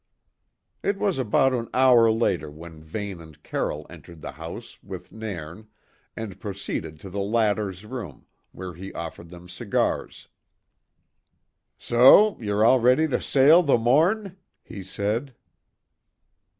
It was about an hour later when Vane and Carroll entered the house with Nairn and proceeded to the latter's room, where he offered them cigars. "So ye're all ready to sail the morn?" he said.